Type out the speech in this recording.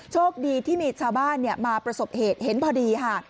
โชคดีที่มีชาวบ้านมาประสบเหตุเห็นพอดีค่ะ